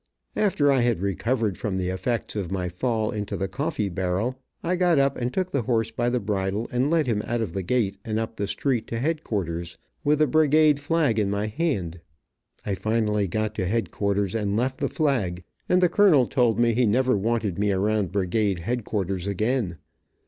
After I had recovered from the effects of my fall into the coffee barrel, I got up and took the horse by the bridle, and led him out of the gate, and up the street to headquarters, with the brigade flag in my hand. I finally got to headquarters and left the flag, and the colonel told me he never wanted me around brigade headquarters again.